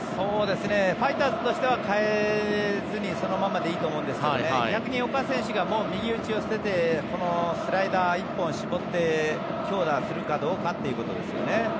ファイターズとしては変えずにそのままでいいと思うんですが逆に岡選手が右打ちを捨ててこのスライダー１本絞って強打するかどうかということですよね。